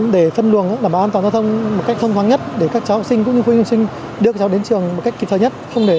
để phân đường đảm bảo an toàn giao thông một cách thông thoáng nhất để các cháu học sinh cũng như quân học sinh đưa các cháu đến trường một cách kịp thời nhất